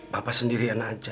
bapak sendirian aja